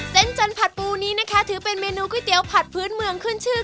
จันทัดปูนี้นะคะถือเป็นเมนูก๋วยเตี๋ยวผัดพื้นเมืองขึ้นชื่อ